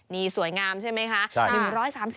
นี่สวยงามใช่ไหมคะ